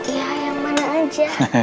iya yang mana aja